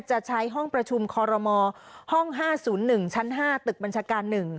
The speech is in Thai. จะใช้ห้องประชุมคอรมห้อง๕๐๑ชั้น๕ตึกบัญชาการ๑